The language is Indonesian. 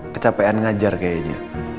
kecapean ngajar kayaknya